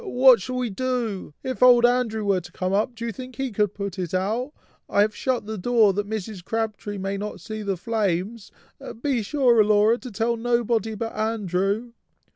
what shall we do? If old Andrew were to come up, do you think he could put it out? I have shut the door that Mrs. Crabtree may not see the flames. Be sure, Laura, to tell nobody but Andrew."